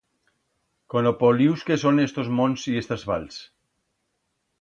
Con o polius que son estos monts y estas vals.